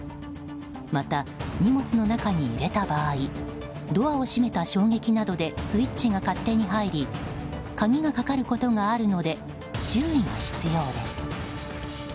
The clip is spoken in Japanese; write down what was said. また、荷物の中に入れた場合ドアを閉めた衝撃などでスイッチが勝手に入り鍵がかかることがあるので注意が必要です。